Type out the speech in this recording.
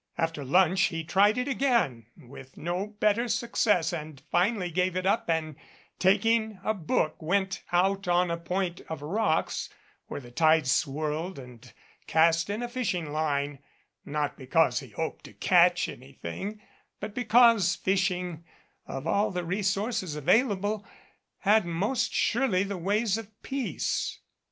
After lunch he tried it again with no better success, and finally gave it up and, taking a book, went out on a point of rocks where the tide swirled and cast in a fishing line, not because he hoped to catch any thing but because fishing, of all the resources available, had most surely the ways of peace.